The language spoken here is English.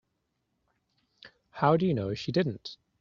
How do you know she didn't?